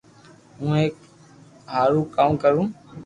ھين اي ھارون ڪاو ڪرو